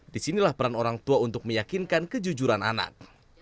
disinilah peran orang tua untuk meyakinkan kejujuran anak